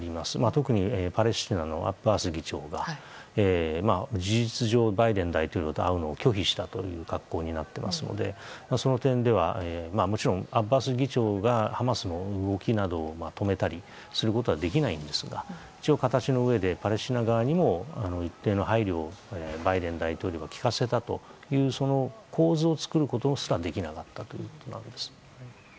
特にパレスチナのアッバス議長が事実上バイデン大統領と会うのを拒否した格好になってますのでその点ではもちろんアッバス議長がハマスの動きなどを止めたりすることはできないんですが一応、形のうえでパレスチナ側にも一定の配慮をバイデン大統領が利かせたという構図を作ることすらできなかったということですね。